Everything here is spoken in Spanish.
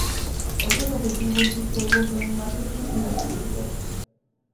Otros objetivos de estos juegos son el marketing y la publicidad.